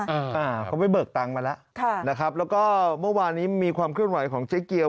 อ่าเขาไปเบิกตังค์มาแล้วค่ะนะครับแล้วก็เมื่อวานนี้มีความเคลื่อนไหวของเจ๊เกียว